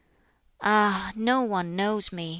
"Ah! no one knows me!"